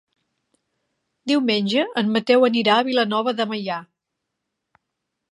Diumenge en Mateu anirà a Vilanova de Meià.